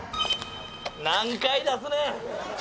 「何回出すねん！